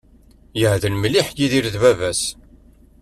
Yeεdel mliḥ Yidir d baba-s.